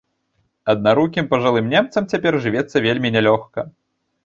Аднарукім пажылым немцам цяпер жывецца вельмі нялёгка.